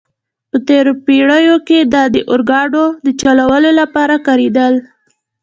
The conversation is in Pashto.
په تېرو پېړیو کې دا د اورګاډو د چلولو لپاره کارېدل.